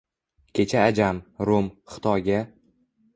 Kecha Ajam, Rum, Xitoga